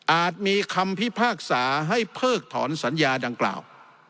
มีคำพิพากษาให้เพิกถอนสัญญาดังกล่าว